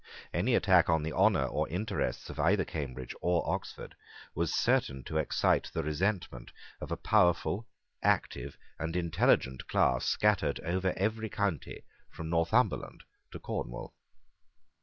Any attack on the honour or interests of either Cambridge or Oxford was certain to excite the resentment of a powerful, active, and intelligent class scattered over every county from Northumberland to Cornwall.